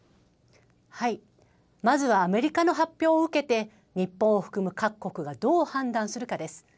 まずはアメリカの発表を受けて、日本を含む各国がどう判断するかです。